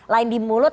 lain di mulut